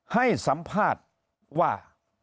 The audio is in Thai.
ให้สัมภาษณ์ว่า